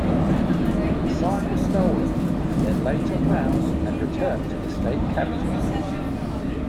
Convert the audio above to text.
The sign was stolen and then later found and returned to the state capitol.